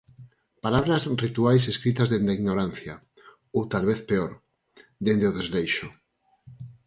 Palabras rituais escritas dende a ignorancia, ou talvez peor, dende o desleixo.